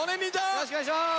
よろしくお願いします。